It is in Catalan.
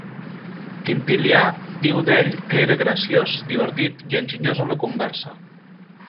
Quintilià diu d'ell que era graciós, divertit i enginyós en la conversa.